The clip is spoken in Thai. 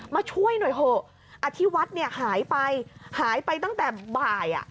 มาช่วยหน่อยอธิวัตรหายไปหายไปตั้งแต่บ่าย